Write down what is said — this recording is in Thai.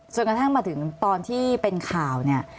กระทั่งมาถึงตอนที่เป็นข่าวเนี่ย